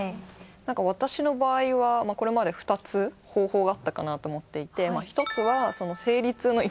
なんか私の場合はこれまで２つ方法があったかなと思っていて。